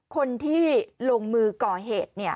คนที่ลงมือก่อเหตุ